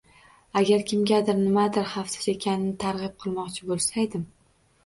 Agar kimgadir nimanidir xavfsiz ekanini targʻib qilmoqchi boʻlsaydim.